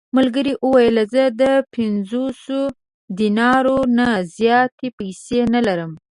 ملګري یې وویل: زه د پنځوسو دینارو نه زیاتې پېسې نه لرم.